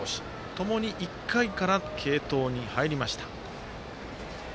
ともに１回から継投に入りました。